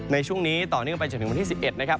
ในช่วงนี้ต่อเนื่องไปจนถึงวันที่๑๑นะครับ